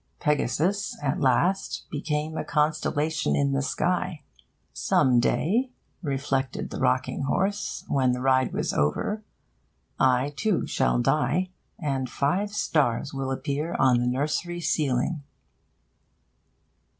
Pegasus, at last, became a constellation in the sky. 'Some day,' reflected the rocking horse, when the ride was over, 'I, too, shall die; and five stars will appear on the nursery ceiling.'